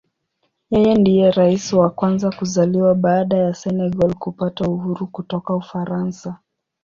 Yeye ndiye Rais wa kwanza kuzaliwa baada ya Senegal kupata uhuru kutoka Ufaransa.